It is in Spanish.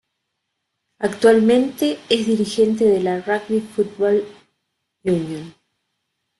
Actualmente es dirigente de la Rugby Football Union.